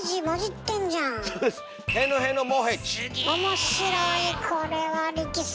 面白いこれは力作。